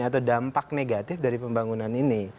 atau dampak negatif dari pembangunan ini